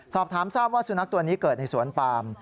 สอบถามทราบว่าสุนัขตัวนี้เกิดในสวนปาม